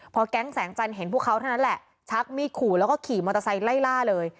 พอแก๊งแสงจันทร์เห็นพวกเขาเท่านั้นแหละชักมีดขู่แล้วก็ขี่มอเตอร์ไซค์ไล่ล่าเลย